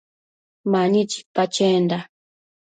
Mani chipa chenda